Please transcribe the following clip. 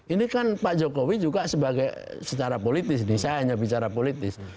ini kan pak jokowi juga sebagai secara politis nih saya hanya bicara politis